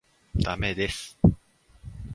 駄目です。